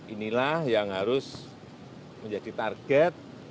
inilah yang harus menjadi target